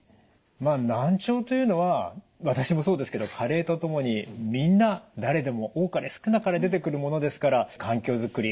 まあ難聴というのは私もそうですけど加齢とともにみんな誰でも多かれ少なかれ出てくるものですから環境づくり